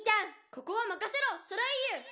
「ここはまかせろソレイユ」